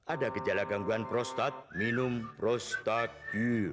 ada gejala gangguan prostat minum prostagil